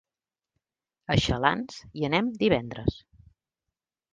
A Xalans hi anem divendres.